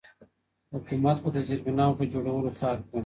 حکومت به د زېربناوو په جوړولو کار کوي.